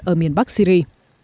ở miền bắc syri